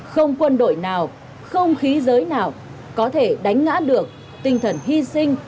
không quân đội nào không khí giới nào có thể đánh ngã được tinh thần hy sinh